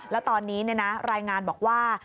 แล้วตอนนี้รายงานบอกว่า